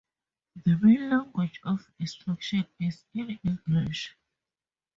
The main language of instruction is in English.